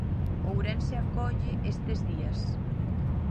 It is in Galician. Ourense acolle estes días.